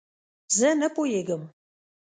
زۀ نۀ پوهېږم.